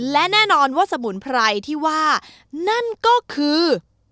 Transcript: และแน่นอนสมุนไพรที่ว่าก็คือ